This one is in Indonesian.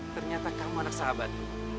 ternyata kamu anak sahabat